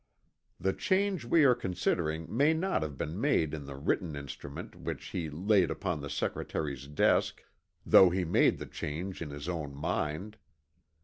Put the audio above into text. The change we are considering may not have been made in the written instrument which he laid upon the Secretary's desk, though he made the change in his own mind.